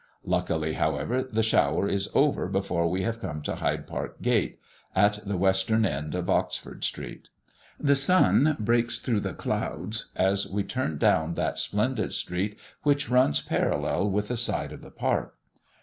Luckily, however, the shower is over before we have come to Hyde Park Gate, at the western end of Oxford Street. The sun breaks through the clouds, as we turn down that splendid street which runs parallel with the side of the Park.